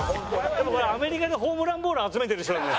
でもアメリカでホームランボール集めてる人だね。